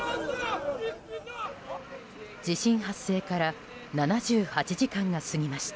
地震発生から７８時間が過ぎました。